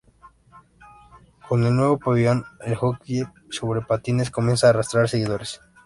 Con el nuevo pabellón, el Hockey sobre Patines comienza a arrastrar seguidores.